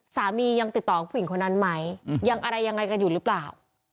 ยังติดต่อผู้หญิงคนนั้นไหมยังอะไรยังไงกันอยู่หรือเปล่า